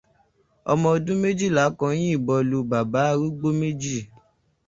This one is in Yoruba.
Ọmọ ọdún méjìlá kan yìnbọn lu bàbá arúgbó méjì